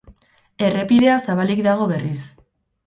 Errepidea zabalik dago berriz.